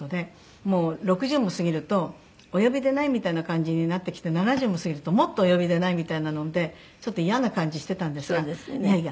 もう６０も過ぎるとお呼びでないみたいな感じになってきて７０も過ぎるともっとお呼びでないみたいなのでちょっとイヤな感じしてたんですがいやいや